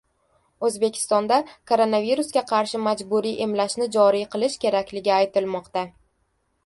O‘zbekistonda koronavirusga qarshi majburiy emlashni joriy qilish kerakligi aytilmoqda